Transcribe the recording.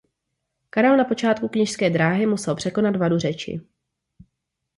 Karel na počátku kněžské dráhy musel překonat vadu řeči.